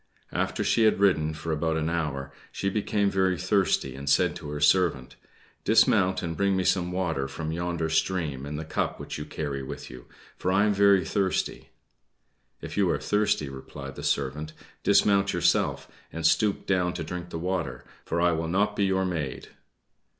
After she had ridden for about an hour she became very thirsty, and said to her servant, "Dismount, and bring me some water from yonder stream in the cup which you carry with you, for I am very thirsty." "If you are thirsty," replied the servant, "dismount yourself, and stoop down to drink the water, for I will not be your maid!"